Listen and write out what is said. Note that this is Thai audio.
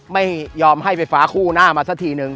ไม่ยอมให้ไฟฟ้าคู่หน้ามาสักทีนึง